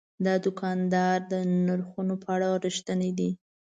دا دوکاندار د نرخونو په اړه رښتینی دی.